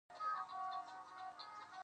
• د غاښونو درد ژوند اغېزمنوي.